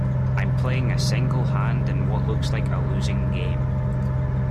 I'm playing a single hand in what looks like a losing game.